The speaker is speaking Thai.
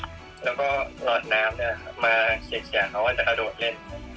แล้วก็รอดน้ำเนี่ยมาเฉยเขาก็จะกระโดดเล่น